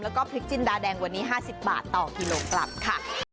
แล้วก็พริกจินดาแดงวันนี้๕๐บาทต่อกิโลกรัมค่ะ